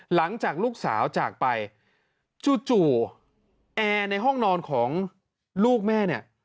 หลังจากลูกสาวจากไปจู่แอร์ในห้องนอนของลูกแม่เนี่ย